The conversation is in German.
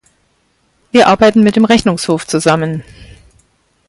Wir arbeiten mit dem Rechnungshof zusammen.